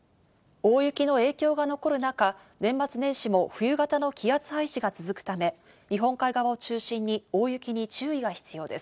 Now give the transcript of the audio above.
大雪の影響が残るなか、年末年始も冬型の気圧配置が続くため日本海側を中心に大雪に注意が必要です。